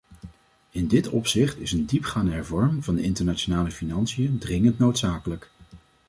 In dit opzicht is een diepgaande hervorming van de internationale financiën dringend noodzakelijk.